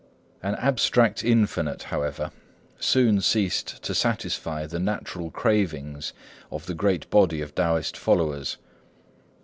An abstract Infinite, however, soon ceased to satisfy the natural cravings of the great body of Taoist followers.